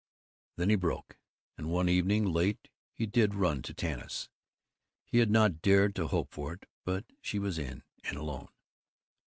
Then he broke, and one evening, late, he did run to Tanis. He had not dared to hope for it, but she was in, and alone.